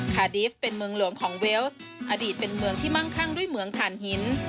ดีฟเป็นเมืองหลวงของเวลส์อดีตเป็นเมืองที่มั่งคั่งด้วยเมืองฐานหิน